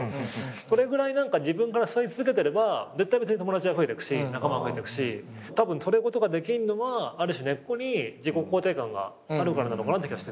それぐらい自分から誘い続けてれば友達は増えてくし仲間は増えてくしたぶんそういうことができんのはある種根っこに自己肯定感があるからなのかなって気がしてて。